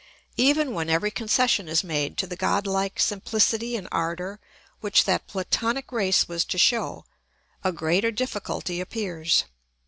Even when every concession is made to the god like simplicity and ardour which that Platonic race was to show, a greater difficulty appears.